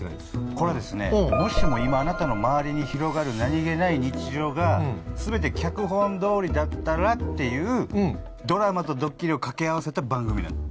これはですねもしも今あなたの周りに広がる何げない日常が全て脚本どおりだったらっていうドラマとドッキリを掛け合わせた番組なんです。